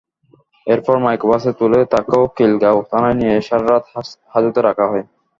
এরপর মাইক্রোবাসে তুলে তাঁকে খিলগাঁও থানায় নিয়ে সারা রাত হাজতে রাখা হয়।